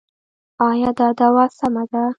ایا دا دوا سمه ده؟